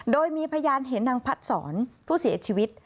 โดยมีพยานเห็นนางพัดสอนผู้เสียชีวิต